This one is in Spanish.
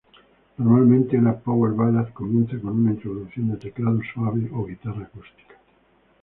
Normalmente, una "power ballad" comienza con una introducción de teclado suave o guitarra acústica.